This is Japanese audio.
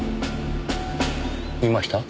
見ました？